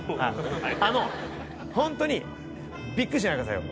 あのホントにビックリしないでくださいよ。